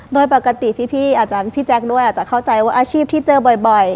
โดยปกติพี่อาจจะพี่แจ๊คด้วยอาจจะเข้าใจว่าอาชีพที่เจอบ่อย